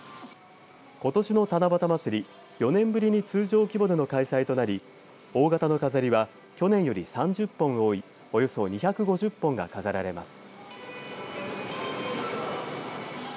ことしの七夕祭り４年ぶりに通常規模での開催となり大型の飾りは去年より３０本多いおよそ２５０本が飾られます。